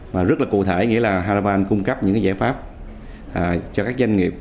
và rất là cụ thể nghĩa là haravan cung cấp những giải pháp cho các doanh nghiệp